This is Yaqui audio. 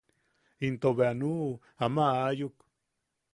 Into bea nuu ama aayuk.